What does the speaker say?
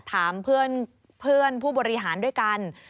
ถามเพื่อนผู้บริหารด้วยกัน